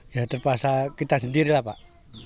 ya terpaksa kita sendiri lah pak